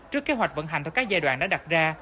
trước kế hoạch vận hành theo các giai đoạn đã đặt ra